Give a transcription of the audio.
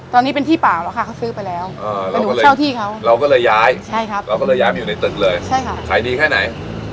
ตอนนี้เป็นที่ปากราคาเขาซื้อไปแล้วอ่าเป็นหัวเช่าที่เขาเราก็เลยย้าย